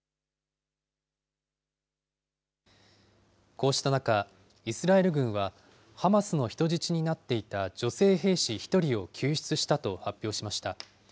こうした中、イスラエル軍はハマスの人質になっていた女性兵士１人を救出したと発表しました。